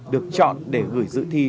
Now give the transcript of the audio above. được chọn để gửi dự thi